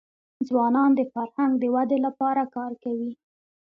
ځوانان د فرهنګ د ودي لپاره کار کوي.